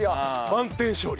満点勝利。